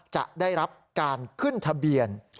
จะได้รับการขึ้นทะเบียน